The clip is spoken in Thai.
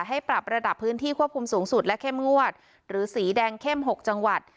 ให้ปรับระดับพื้นที่ควบคุมสูงสุดและเข้มงวดหรือสีแดงเข้ม๖จังหวัด